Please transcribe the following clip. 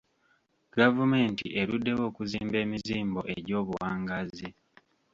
Gavumenti eruddewo okuzimba emizimbo egy'obuwangaazi.